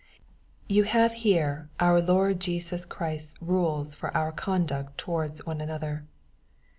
You have here our Lord Jesus Christ's rules for our con duct one towards another.